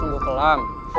tidak gue gelap